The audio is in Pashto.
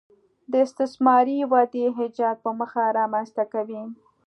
د استثماري ودې ایجاد په موخه رامنځته کوي